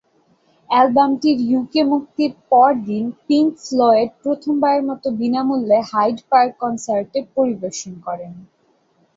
অ্যালবামটির UK মুক্তির পর দিন, পিংক ফ্লয়েড প্রথমবারের মতো বিনামূল্যে হাইড পার্ক কনসার্টে পরিবেশন করে।